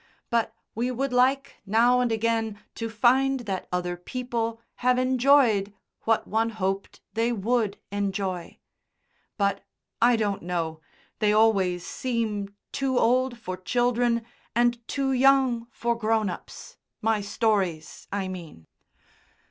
But we would like now and again to find that other people have enjoyed what one hoped they would enjoy. But I don't know, they always seem too old for children and too young for grown ups my stories, I mean."